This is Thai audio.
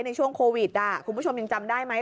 ในช่วงโควิดคุณผู้ชมยังจำได้ไหม